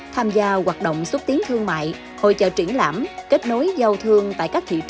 tham gia hoạt động xúc tiến thương mại